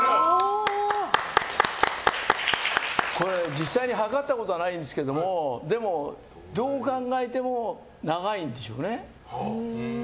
実際に計ったことはないんですけどでもどう考えても長いんですよね。